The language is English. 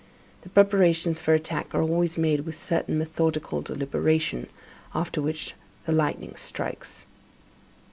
The preparations for attack are always made with a certain methodical deliberation; after which, the lightning strikes.